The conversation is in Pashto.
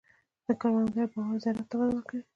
د کروندګر باور زراعت ته وده ورکوي.